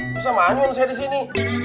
bisa manjul saya disini